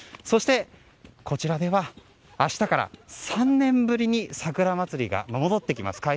そして、こちらでは明日から３年ぶりに桜まつりが戻ってきます。